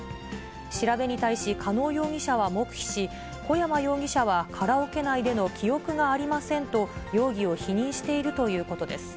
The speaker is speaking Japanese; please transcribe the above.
調べに対し加納容疑者は黙秘し、小山容疑者はカラオケ内での記憶がありませんと、容疑を否認しているということです。